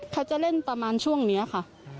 เขาจะเล่นประมาณช่วงนี้ค่ะ